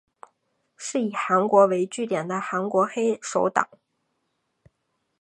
是以韩国为据点的韩国黑手党。